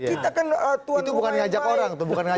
itu bukan ngajak orang